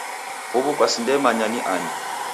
Huw'u kwasindemanya ni ani?.